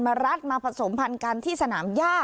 มารัดผสมผ่านกันมาผสมผลันกันที่สนามย่า